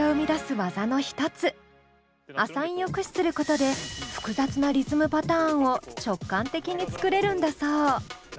アサインを駆使することで複雑なリズムパターンを直感的に作れるんだそう。